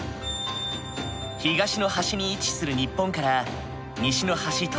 東の端に位置する日本から西の端トルコまで。